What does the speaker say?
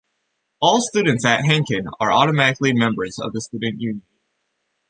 All students at Hanken are automatically members of the student union.